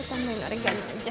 oke tambahin oregano atasnya